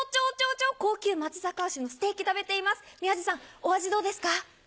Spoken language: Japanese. お味どうですか？